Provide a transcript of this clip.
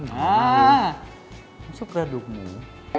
น้ำซุปเกลือดูบหมู